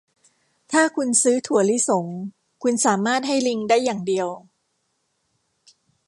ถ้าคุณซื้อถั่วลิสง คุณสามารถให้ลิงได้อย่างเดียว